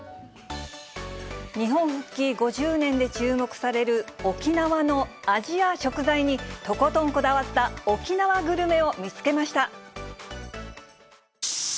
日本復帰５０年で注目される沖縄の味や食材に、とことんこだわった沖縄グルメを見つけました。